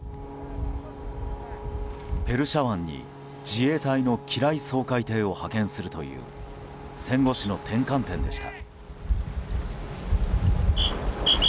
ペルシャ湾に自衛隊の機雷掃海艇を派遣するという戦後史の転換点でした。